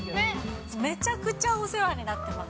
めちゃくちゃお世話になってます。